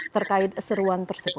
terkait eseruan tersebut